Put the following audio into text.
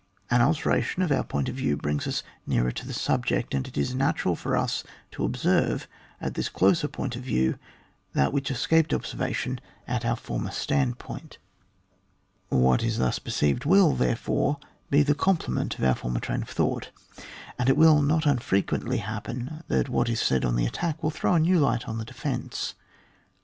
An alter ation of our point of view brings us n(;arer to the subject, and it is natural for us to observe, at this closer point of view, that which escaped observation at our VOL. ui. former standpoint. What is thus per ceived will, therefore, be the complement of our former train of thought ; and it will not unfrequently happen that what is said on the attack will throw a new light on the defence.